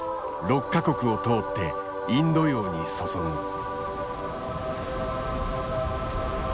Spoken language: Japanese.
６か国を通ってインド洋に注ぐ。